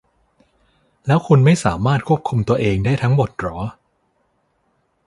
แล้วคุณไม่สามารถควบคุมตัวเองได้ทั้งหมดหรอ ?